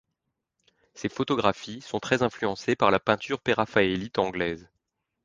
Ces photographies sont très influencées par la peinture préraphaélite anglaise.